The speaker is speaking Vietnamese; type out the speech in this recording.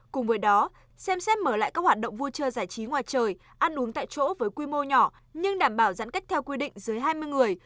cùng với đó xem xét mở lại các hoạt động vui chơi giải trí ngoài trời ăn uống tại chỗ với quy mô nhỏ nhưng đảm bảo giãn cách theo quy định dưới hai mươi người